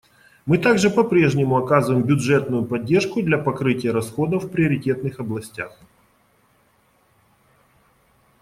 Мы также по-прежнему оказываем бюджетную поддержку для покрытия расходов в приоритетных областях.